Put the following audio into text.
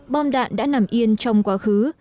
bom đạn đã nằm yên trong quá khứ